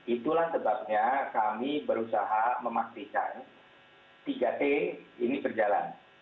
itulah sebabnya kami berusaha memastikan tiga t ini berjalan